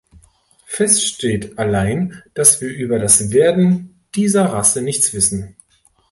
Fest steht allein, dass wir über das Werden dieser Rasse nichts wissen.